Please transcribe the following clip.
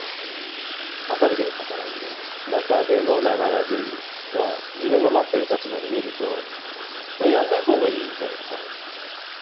待たれてる方がいる中でのながら食いは、自分が待っている立場で見ると、やんないほうがいいじゃないですか。